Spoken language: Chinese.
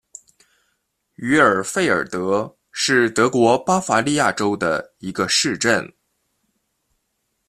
于尔费尔德是德国巴伐利亚州的一个市镇。